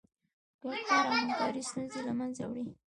ګډ کار او همکاري ستونزې له منځه وړي.